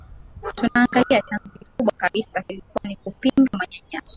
tunaangalia chanzo kikubwa kabisa kilikuwa ni kupinga manyanyaso